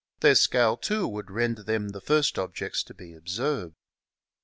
Their scale, too, would render them the first objects to be observed.